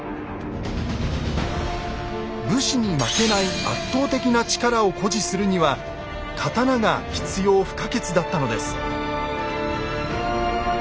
武士に負けない圧倒的な力を誇示するには「刀」が必要不可欠だったのです。